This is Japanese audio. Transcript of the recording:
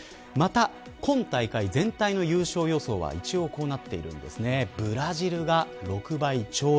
また今大会、全体の優勝予想は一応、こうなっているんです。